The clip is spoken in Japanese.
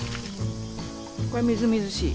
これみずみずしい。